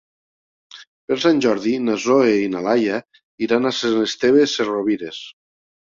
Per Sant Jordi na Zoè i na Laia iran a Sant Esteve Sesrovires.